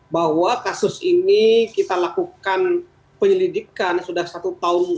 bahwa kasus ini kita lakukan penyelidikan sudah satu tahun